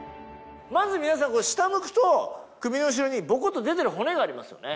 まず皆さん下向くと首の後ろにボコっと出てる骨がありますよね。